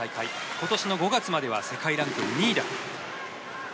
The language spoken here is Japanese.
今年の５月までは世界ランク２位だった。